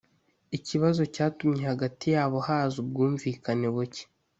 ikibazo cyatumye hagati yabo haza ubwumvikane buke